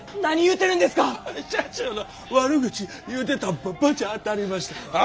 社長の悪口言うてたん罰当たりましたわ。